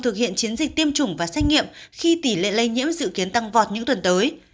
thực hiện chiến dịch tiêm chủng và xét nghiệm khi tỷ lệ lây nhiễm dự kiến tăng vọt những tuần tới